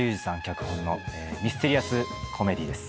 脚本のミステリアスコメディーです。